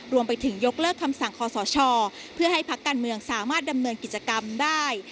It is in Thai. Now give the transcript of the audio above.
รวมไปถึงยกเลิกคำสั่งคอสชเพื่อให้พักการเมืองสามารถดำเนินกิจกรรมได้